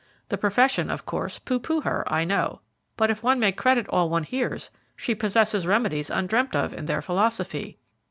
The profession, of course, pooh pooh her, I know, but if one may credit all one hears, she possesses remedies undreamt of in their philosophy."